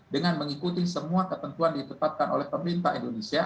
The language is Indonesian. dengan mengikuti semua ketentuan ditetapkan oleh pemerintah indonesia